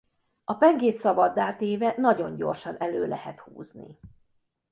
A pengét szabaddá téve nagyon gyorsan elő lehet húzni.